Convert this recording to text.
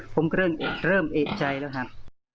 ผมก็เริ่มเอกใจแล้วครับ